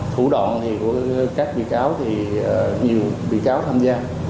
thủ đoạn của các bị cáo thì nhiều bị cáo tham gia